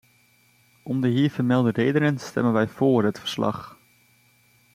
Om de hier vermelde redenen stemmen wij voor het verslag.